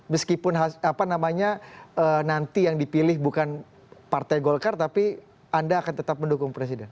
meskipun apa namanya nanti yang dipilih bukan partai golkar tapi anda akan tetap mendukung presiden